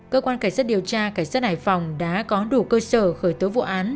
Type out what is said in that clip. cơ quan cảnh sát điều tra cảnh sát hải phòng đã có đủ cơ sở khởi tố vụ án